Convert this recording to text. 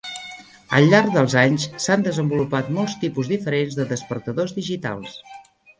Al llarg dels anys s'han desenvolupat molts tipus diferents de despertadors digitals.